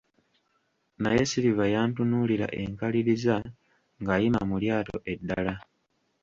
Naye Silver Yantunuulira enkaliriza ng'ayima mu lyato eddala.